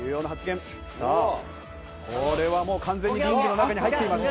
さあこれはもう完全にリングの中に入っています。